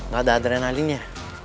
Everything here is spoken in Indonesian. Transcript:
gak ada adrenalinnya